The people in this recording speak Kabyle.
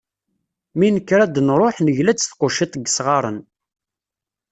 Mi nekker ad d-nruḥ negla-d s tquciḍt n yisɣaren.